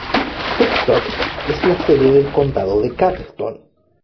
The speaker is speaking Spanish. Woodstock es la sede del condado de Carleton.